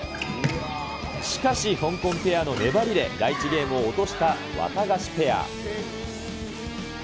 しかし、香港ペアの粘りで、第１ゲームを落としたワタガシペア。